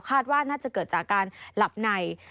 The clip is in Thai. คาดว่าน่าจะเกิดจากการหลับใน